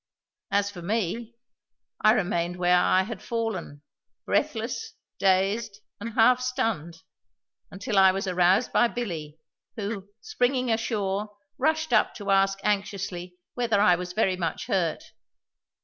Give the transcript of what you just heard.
As for me, I remained where I had fallen, breathless, dazed, and half stunned, until I was aroused by Billy, who, springing ashore, rushed up to ask anxiously whether I was very much hurt.